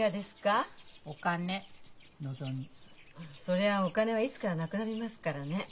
そりゃお金はいつかはなくなりますからね。